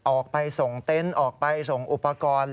ออกไปส่งเต็นต์ออกไปส่งอุปกรณ์